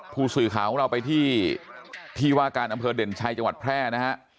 ผู้สื่อข่าวของเราไปที่ที่ว่าการอำเภอเด่นชัยจังหวัดแพร่นะฮะ